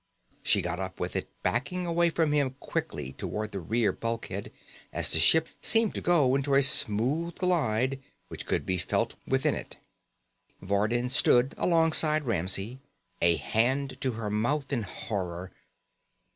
She got up with it, backing away from him quickly toward the rear bulkhead as the ship seemed to go into a smooth glide which could be felt within it. Vardin stood alongside Ramsey, a hand to her mouth in horror.